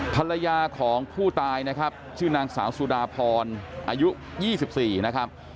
ภรรยาของผู้ตายนะครับชื่อนางสาวสุดาพรอายุ๒๔นะครับ